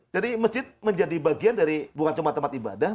jadi masjid menjadi bagian dari bukan cuma tempat ibadah